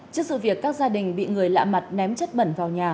trước sự việc các gia đình bị người lạ mặt ném chất bẩn vào nhà